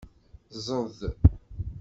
Ẓẓed.